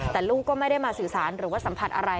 แต่ลูกก็ไม่ได้มาสื่อสารหรือว่าสัมผัสอะไร